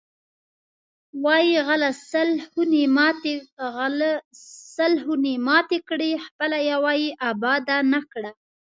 وایی غله سل خونې ماتې کړې، خپله یوه یې اباده نه کړه.